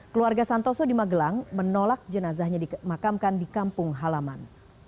keluarga santoso di magelang menolak jenazahnya dimakamkan di kampung halaman